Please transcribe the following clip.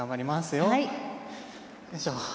よいしょ。